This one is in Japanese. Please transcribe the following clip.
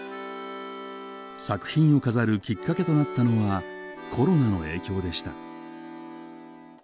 作品を飾るきっかけとなったのはコロナの影響でした。